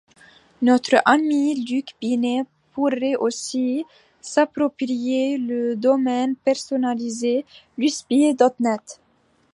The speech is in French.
Notre ami Luc Binet pourrait aussi s'approprier le domaine personnalisé lucbi.net.